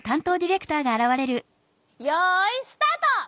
よいスタート！